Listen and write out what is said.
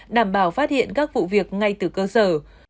đảm bảo phát hiện các vụ việc ngay từ cơ sở